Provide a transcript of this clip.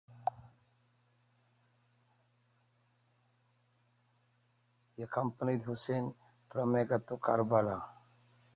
He accompanied Hussain from Mecca to Karbala.